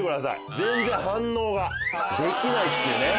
全然反応ができないっすね。